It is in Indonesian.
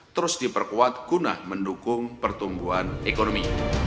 terus diperkuat guna mendukung pertumbuhan ekonomi